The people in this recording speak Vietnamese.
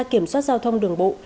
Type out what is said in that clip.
kiểm soát giao thông đường bộ